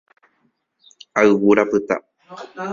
Ayvu rapyta.